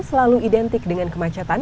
selalu identik dengan kemacetan